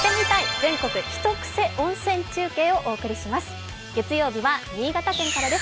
全国ひとクセ温泉中継をお送りします。